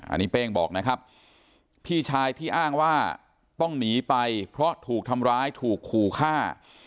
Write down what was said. อันนี้เป้งบอกนะครับพี่ชายที่อ้างว่าต้องหนีไปเพราะถูกทำร้ายถูกขู่ฆ่า